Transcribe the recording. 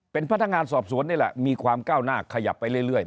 เป็นพนักงานสอบสวนนี่แหละมีความก้าวหน้าขยับไปเรื่อย